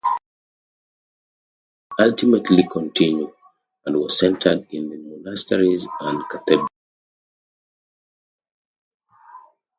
Education did ultimately continue, and was centreed in the monasteries and cathedrals.